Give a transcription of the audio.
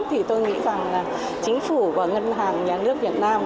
thì tôi nghĩ rằng là chính phủ và ngân hàng nhà nước việt nam